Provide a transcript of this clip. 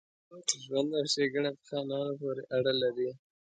ژوند او ښېګڼه په خانانو پوري اړه لري.